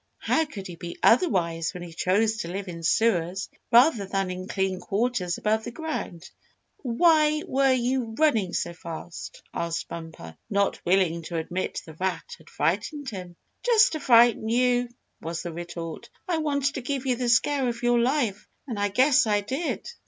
How could he be otherwise when he chose to live in sewers rather than in clean quarters above ground? "Why were you running so fast?" asked Bumper, not willing to admit the rat had frightened him. "Just to frighten you," was the retort. "I wanted to give you the scare of your life, and I guess I did."